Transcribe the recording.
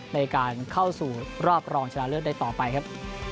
ในการเข้าสู่รอบรองชนะเลิศได้ต่อไปครับ